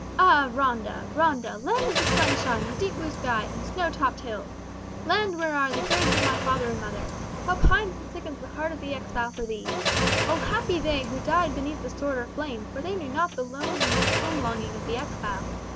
Ah Ronda! Ronda! Land of the sunshine, the deep blue sky, and snow topped hills! Land where are the graves of my father and mother! How pines and sickens the heart of the exile for thee! O happy they who died beneath the sword or flame, for they knew not the lonely home longing of the exile.